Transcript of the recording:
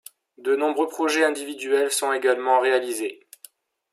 De nombreux projets individuels sont également réalisés.